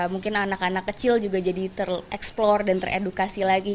mungkin anak anak kecil juga jadi ter explore dan ter edukasi lagi